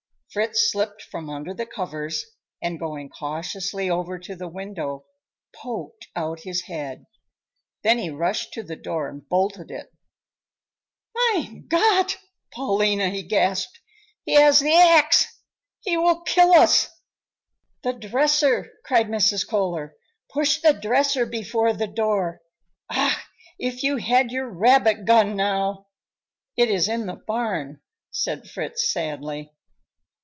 Fritz slipped from under the covers, and going cautiously over to the window, poked out his head. Then he rushed to the door and bolted it. "Mein Gott, Paulina," he gasped, "he has the axe, he will kill us!" "The dresser," cried Mrs. Kohler; "push the dresser before the door. Ach, if you had your rabbit gun, now!" "It is in the barn," said Fritz sadly.